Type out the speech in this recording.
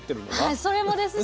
それもですし。